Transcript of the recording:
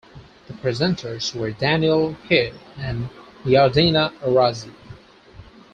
The presenters were Daniel Pe'er and Yardena Arazi.